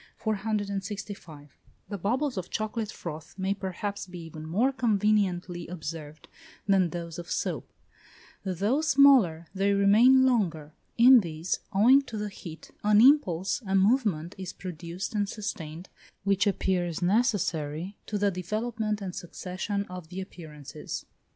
The bubbles of chocolate froth may perhaps be even more conveniently observed than those of soap; though smaller, they remain longer. In these, owing to the heat, an impulse, a movement, is produced and sustained, which appears necessary to the development and succession of the appearances.